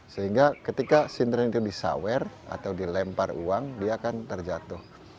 sehingga ketika sintren itu disawer atau dilempar uang dia akan terjatuh